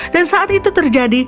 dan saat itu terjadi